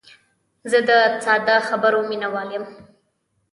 زه د ساده خبرو مینوال یم.